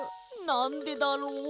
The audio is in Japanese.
なんでだろう？